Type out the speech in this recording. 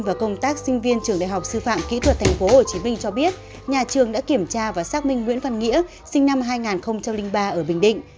và công tác sinh viên trường đại học sư phạm kỹ thuật tp hcm cho biết nhà trường đã kiểm tra và xác minh nguyễn văn nghĩa sinh năm hai nghìn ba ở bình định